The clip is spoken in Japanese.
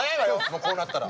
もうこうなったら。